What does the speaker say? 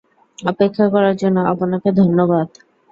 অপেক্ষা করার জন্য আপনাকে ধন্যবাদ।